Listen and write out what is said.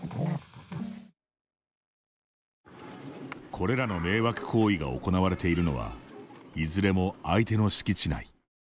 これらの迷惑行為が行われているのはいずれも相手の敷地内。